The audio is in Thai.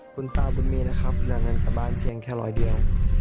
คุณตาบุญมีนะครับเหลือเงินกลับบ้านเพียงแค่ร้อยเดียว